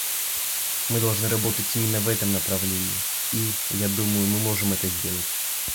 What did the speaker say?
Мы должны работать именно в этом направлении, и, я думаю, мы можем это сделать.